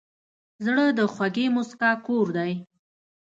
زړه د خوږې موسکا کور دی.